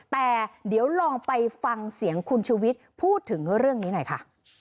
แต่เดี๋ยวลองไปฟังเสียงคุณชุวิตพูดถึงเรื่องนี้หน่อยค่ะ